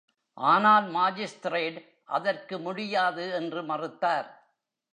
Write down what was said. ஆனால், மாஜிஸ்திரேட் அதற்கு முடியாது என்று மறுத்தார்.